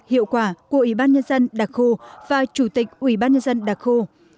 hiệu quả của ủy ban nhân dân đặc khu và chủ tịch ủy ban nhân dân đặc khu